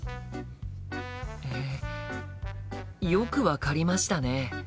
えよく分かりましたね！